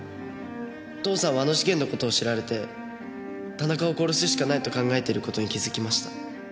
父さんはあの事件の事を知られて田中を殺すしかないと考えてる事に気づきました。